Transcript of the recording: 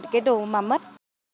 trong đời sống văn hóa tâm linh